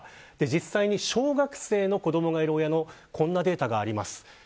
実際に小学生の子どもがいる親のこんなデータがあります。